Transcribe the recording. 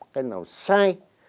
cái nào sai